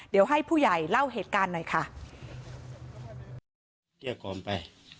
เดี๋ยวให้ผู้ใหญ่เล่าเหตุการณ์หน่อยค่ะ